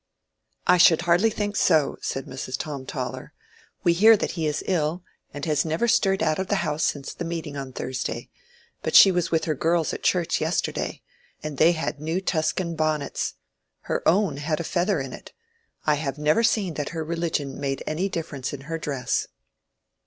"I should hardly think so," said Mrs. Tom Toller. "We hear that he is ill, and has never stirred out of the house since the meeting on Thursday; but she was with her girls at church yesterday, and they had new Tuscan bonnets. Her own had a feather in it. I have never seen that her religion made any difference in her dress."